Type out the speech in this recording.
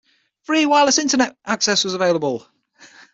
Free wireless internet access was available.